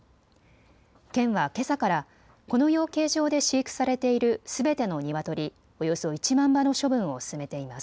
県はけさから、この養鶏場で飼育されているすべてのニワトリおよそ１万羽の処分を進めています。